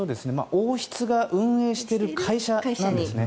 王室が運営している会社なんですね。